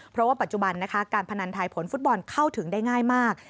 เพราะว่าปัจจุบันนะคะการพนันทายผลฟุตบอลเข้าถึงได้ง่ายมาก